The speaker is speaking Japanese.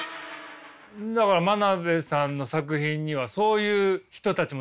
だから真鍋さんの作品にはそういう人たちも出てきますもんね。